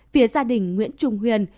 phía gia đình nguyễn trung huyền